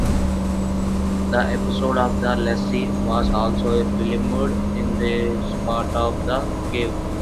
An episode of "Lassie" was also filmed in this part of the cave.